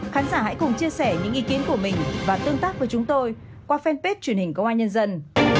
khán giả hãy cùng chia sẻ những ý kiến của mình và tương tác với chúng tôi qua fanpage truyền hình công an nhân dân